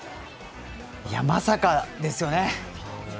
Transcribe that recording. まさかですよね。